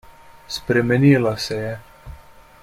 Spremenila se je.